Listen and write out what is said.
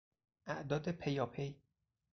اعداد پیاپی